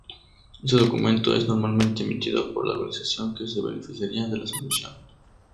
Este documento es normalmente emitido por la organización que se beneficiaría de la solución.